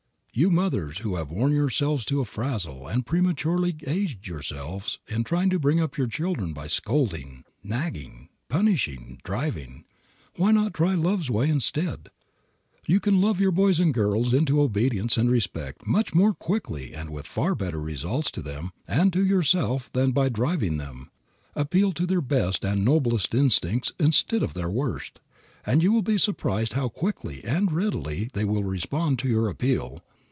You mothers who have worn yourselves to a frazzle and prematurely aged yourselves in trying to bring up your children by scolding, nagging, punishing, driving, why not try love's way instead? You can love your boys and girls into obedience and respect much more quickly and with far better results to them and to yourself than by driving them; appeal to their best and noblest instincts instead of their worst, and you will be surprised how quickly and readily they will respond to your appeal.